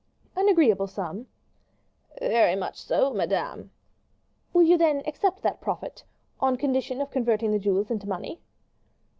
"An agreeable sum." "Very much so, madame." "Will you then accept that profit, then, on condition of converting the jewels into money?"